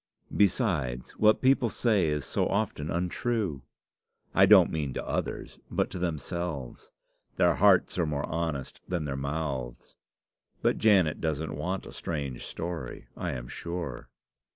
Besides, what people say is so often untrue! I don't mean to others, but to themselves. Their hearts are more honest than their mouths. But Janet doesn't want a strange story, I am sure."